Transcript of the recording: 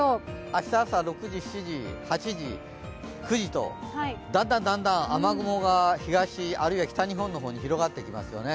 明日朝６時、７時、８時、９時とだんだんだんだん雨雲が東、あるいは北日本の方に広がっていますよね。